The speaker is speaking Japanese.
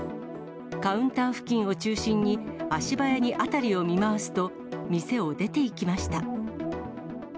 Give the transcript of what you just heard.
カウンター付近を中心に、足早に辺りを見回すと、店を出ていきました。